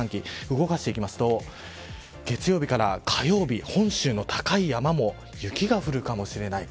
動かしていくと月曜日から火曜日本州の高い山も雪が降るかもしれない。